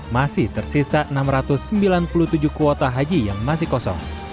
masih tersisa enam ratus sembilan puluh tujuh kuota haji yang masih kosong